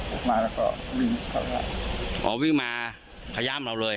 ออกมาแล้วก็วิ่งเข้ามาอ๋อวิ่งมาขย่ามเราเลย